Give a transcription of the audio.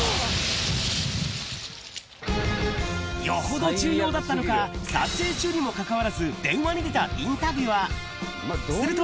よほど重要だったのか、撮影中にもかかわらず、電話に出たインタビュアー。